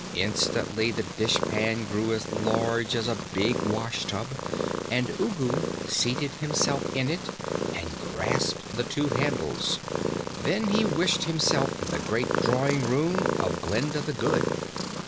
Instantly, the dishpan grew as large as a big washtub, and Ugu seated himself in it and grasped the two handles. Then he wished himself in the great drawing room of Glinda the Good.